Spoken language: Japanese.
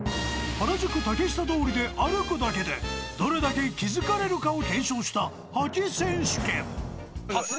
［原宿竹下通りで歩くだけでどれだけ気付かれるかを検証した覇気選手権］